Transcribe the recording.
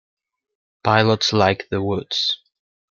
Pilots like the woods.